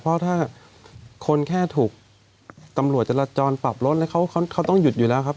เพราะถ้าคนแค่ถูกตำรวจจราจรปรับรถแล้วเขาต้องหยุดอยู่แล้วครับ